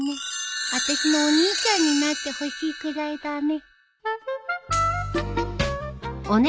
あたしのお兄ちゃんになってほしいくらいだね